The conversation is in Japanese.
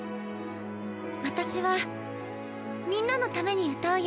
私はみんなのために歌うよ。